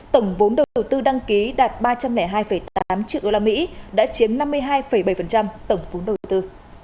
tổng vốn đầu tư đăng ký đạt ba trăm linh hai tám triệu usd đã chiếm năm mươi hai bảy tổng vốn đầu tư